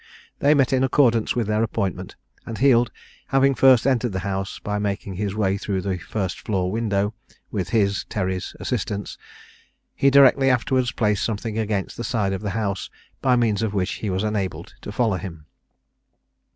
They met in accordance with their appointment; and Heald having first entered the house, by making his way through the first floor window, with his (Terry's) assistance, he directly afterwards placed something against the side of the house by means of which he was enabled to follow him.